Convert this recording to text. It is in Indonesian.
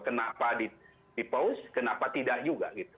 kenapa dipaus kenapa tidak juga gitu